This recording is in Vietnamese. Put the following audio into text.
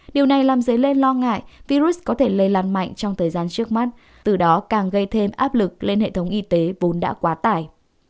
điều này làm dấy lên lo ngại virus có thể lây lan mạnh trong thời gian trước mắt từ đó càng gây thêm áp lực lên hệ thống y tế vốn đã quá tải